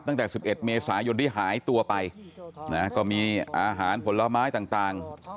ตั้งแต่๑๑เมษายนที่หายตัวไปนะก็มีอาหารผลไม้ต่าง